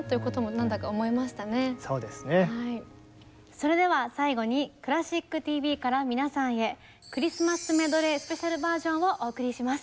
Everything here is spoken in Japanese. それでは最後に「クラシックＴＶ」から皆さんへクリスマスメドレースペシャルバージョンをお送りします。